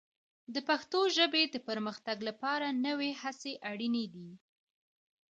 د پښتو ژبې د پرمختګ لپاره نوې هڅې اړینې دي.